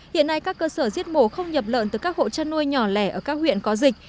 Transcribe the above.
hiện nay các cơ sở giết mổ không nhập lợn từ các hộ chăn nuôi nhỏ lẻ ở các huyện có dịch